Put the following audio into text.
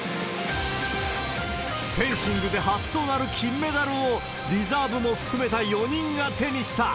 フェンシングで初となる金メダルを、リザーブも含めた４人が手にした。